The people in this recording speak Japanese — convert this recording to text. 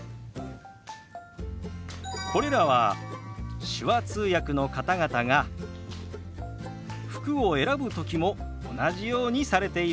これらは手話通訳の方々が服を選ぶ時も同じようにされているんですよ。